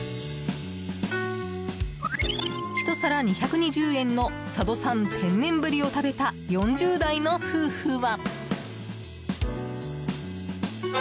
ひと皿２２０円の佐渡産天然ぶりを食べた４０代の夫婦は。